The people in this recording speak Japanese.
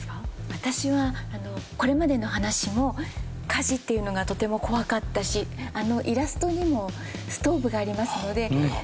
私はこれまでの話も火事っていうのがとても怖かったしあのイラストにもストーブがありますのでグラッときたら